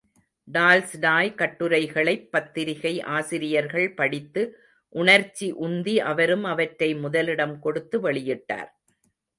Tolstoy கட்டுரைகளைப் பத்திரிகை ஆசிரியர்கள் படித்து, உணர்ச்சி உந்தி அவரும் அவற்றை முதலிடம் கொடுத்து வெளியிட்டார்.